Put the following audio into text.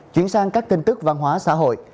chuyển sang các tin tức văn hóa xã hội